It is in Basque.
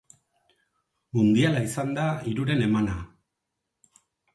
Mundiala izan da hiruren emana.